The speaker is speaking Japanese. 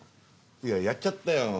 いややっちゃったよ。